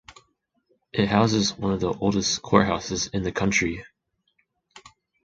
It houses one of the oldest courthouses in the country.